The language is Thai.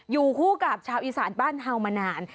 อยู่คู่กับชาวอีสานบ้านเฮาวมานาน